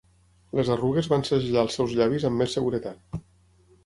Les arrugues van segellar els seus llavis amb més seguretat.